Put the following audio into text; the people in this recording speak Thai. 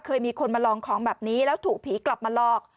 เคยมีคนมาลองของแบบนี้แล้วถูกผีกลับมาหลอก